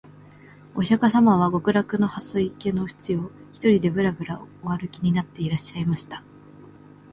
御釈迦様は極楽の蓮池のふちを、独りでぶらぶら御歩きになっていらっしゃいました